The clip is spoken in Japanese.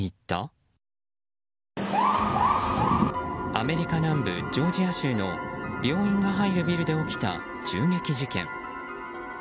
アメリカ南部・ジョージア州の病院が入るビルで起きた銃撃事件。